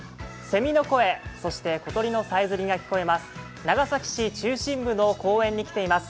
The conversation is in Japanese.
セミの声、そして小鳥のさえずりが聞こえます。